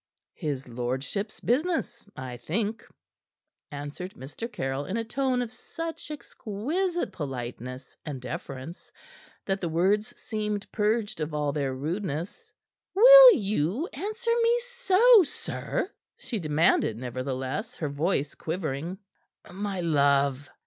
"His lordship's business, I think," answered Mr. Caryll in a tone of such exquisite politeness and deference that the words seemed purged of all their rudeness. "Will you answer me so, sir?" she demanded, nevertheless, her voice quivering. "My love!"